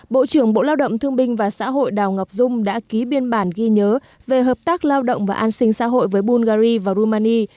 bộ trưởng bộ lao động thương binh và xã hội đào ngọc dung đã ký biên bản ghi nhớ về hợp tác lao động và an sinh xã hội với bulgari và rumani